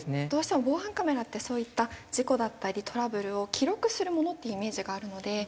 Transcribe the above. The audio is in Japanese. どうしても防犯カメラってそういった事故だったりトラブルを記録するものっていうイメージがあるので。